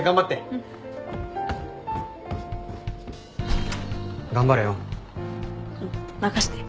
うん任して。